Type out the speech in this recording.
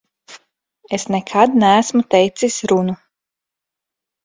Es nekad neesmu teicis runu.